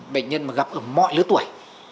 bệnh nhân mà gặp ở mọi lứa tuổi